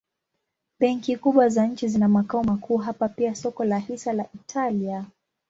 Benki kubwa za nchi zina makao makuu hapa pia soko la hisa la Italia.